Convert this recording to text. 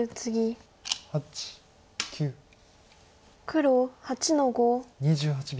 黒８の五。